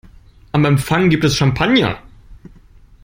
Am Empfang gibt es Champagner.